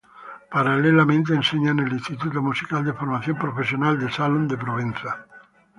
Paralelamente, enseña en el Instituto musical de formación profesional de Salón-de-Provenza.